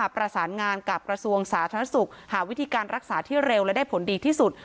ประสานงานกับกระทรวงสาธารณสุขหาวิธีการรักษาที่เร็วและได้ผลดีที่สุด